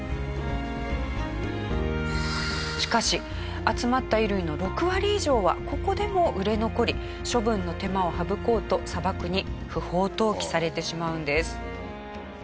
しかし集まった衣類の６割以上はここでも売れ残り処分の手間を省こうと砂漠に不法投棄されてしまうんです。